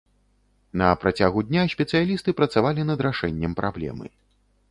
На працягу дня спецыялісты працавалі над рашэннем праблемы.